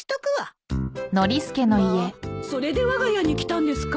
まあそれでわが家に来たんですか？